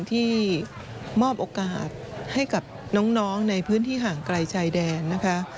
ที่มอบโอกาสให้กับน้องในพื้นที่ห่างไกลชายแดนนะคะ